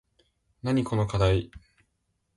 なにこのかだい